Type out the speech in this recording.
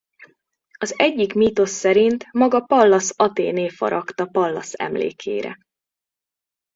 Az egyik mítosz szerint maga Pallasz Athéné faragta Pallasz emlékére.